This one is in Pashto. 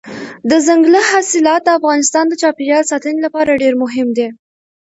دځنګل حاصلات د افغانستان د چاپیریال ساتنې لپاره ډېر مهم دي.